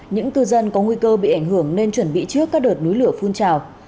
những cư dân có nguy cơ bị ảnh hưởng nên chuẩn bị trước các đợt núi lửa phun trào